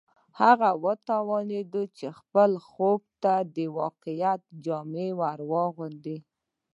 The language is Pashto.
هغه وتوانېد چې خپل خوب ته د واقعیت جامه ور واغوندي